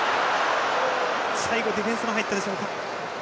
最後はディフェンスも入ったでしょうか。